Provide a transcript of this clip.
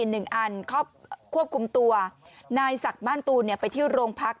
หนึ่งอันควบคุมตัวนายศักดิ์บ้านตูนไปที่โรงพัก